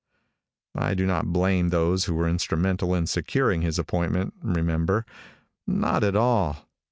I do not blame those who were instrumental in securing his appointment, remember. Not at all.